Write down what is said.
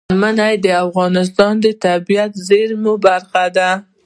منی د افغانستان د طبیعي زیرمو برخه ده.